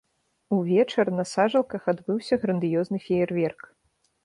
Увечар на сажалках адбыўся грандыёзны феерверк.